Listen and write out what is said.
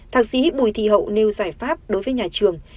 thạc sĩ bùi thị hậu nêu giải pháp đối với nhà trường